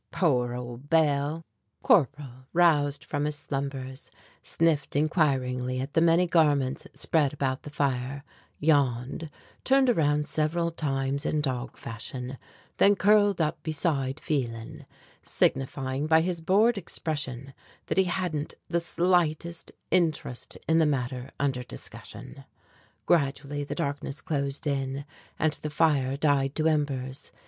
Poor old Bell." Corporal, roused from his slumbers, sniffed inquiringly at the many garments spread about the fire, yawned, turned around several times in dog fashion, then curled up beside Phelan, signifying by his bored expression that he hadn't the slightest interest in the matter under discussion. Gradually the darkness closed in, and the fire died to embers.